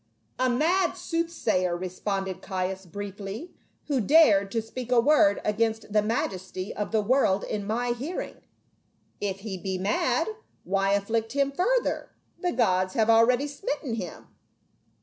44 PA UL. " A mad soothsayer," responded Caius, briefly," who dared to speak a word against the majesty of the world in my hearing." " If he be mad, why afflict him further? The gods have already smitten him."